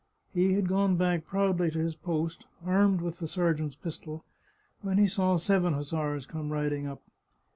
He had gone back proudly to his post, armed with the sergeant's pistol, when he saw seven hussars come riding up.